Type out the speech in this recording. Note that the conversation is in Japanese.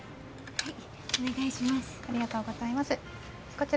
はい。